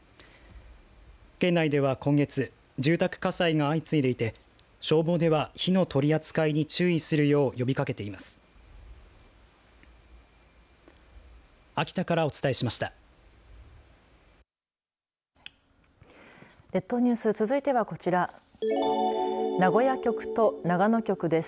県内では今月住宅火災が相次いでいて消防では火の取り扱いに注意するよう呼びかけています。